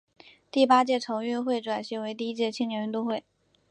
第八届城运会转型为第一届青年运动会。